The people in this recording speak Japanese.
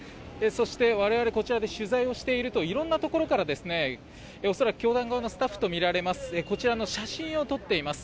そして我々こちらで取材をしているといろんなところから恐らく、教団側のスタッフとみられますがこちらの写真を撮っています。